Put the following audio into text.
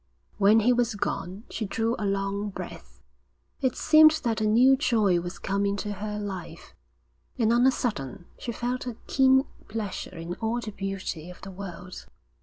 When he was gone she drew a long breath. It seemed that a new joy was come into her life, and on a sudden she felt a keen pleasure in all the beauty of the world.